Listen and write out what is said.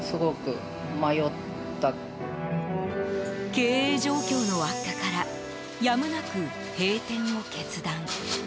経営状況の悪化からやむなく閉店を決断。